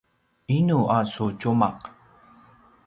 inu a su tjumaq?